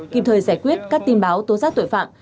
kịp thời giải quyết các tin báo tố giác tội phạm